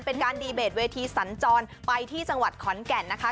เป็นการดีเบตเวทีสัญจรไปที่จังหวัดขอนแก่นนะคะ